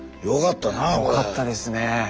よかったですね。